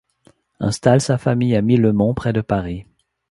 Installe sa famille à Millemont près de Paris.